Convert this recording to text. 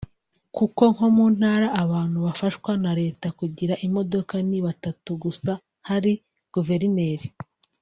Kuko nko mu ntara abantu bafashwa na leta kugira imodoka ni batatu gusa; hari Guverineri